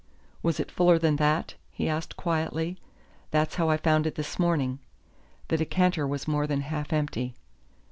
"Was it fuller than that?" he asked quietly. "That's how I found it this morning." The decanter was more than half empty.